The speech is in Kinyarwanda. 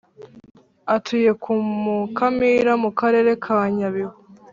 atuye ku mukamira mu karere ka nyabihu